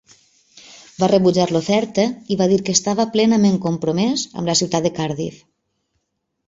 Va rebutjar l'oferta i va dir que estava plenament compromès amb la ciutat de Cardiff.